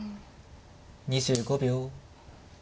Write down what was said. ２５秒。